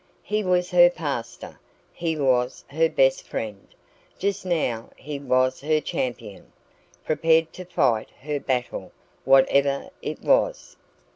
He was her pastor he was her best friend; just now he was her champion, prepared to fight her battle, whatever it was.